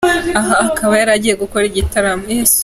Aha akaba yari agiye gukora igitaramo.